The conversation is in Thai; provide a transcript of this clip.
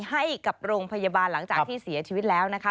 ให้กับโรงพยาบาลหลังจากที่เสียชีวิตแล้วนะคะ